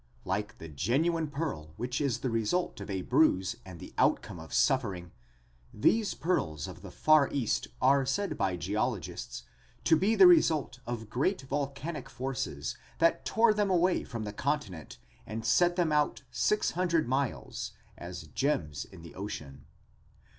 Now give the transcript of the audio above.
Like the genuine pearl which is the result of a bruise and the outcome of suffering, these pearls of the far east are said by geologists to be the result of great volcanic forces that tore them away from the continent and set them out six hundred miles as "gems in the ocean."